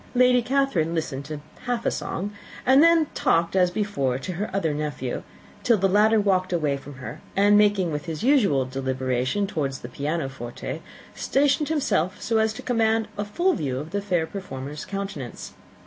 Lady Catherine listened to half a song, and then talked, as before, to her other nephew; till the latter walked away from her, and moving with his usual deliberation towards the pianoforte, stationed himself so as to command a full view of the fair performer's countenance.